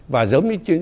và giống như